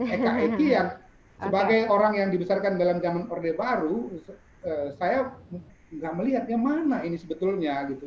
eke yang sebagai orang yang dibesarkan dalam zaman orde baru saya nggak melihatnya mana ini sebetulnya gitu